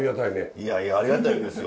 いやいやありがたいですよ。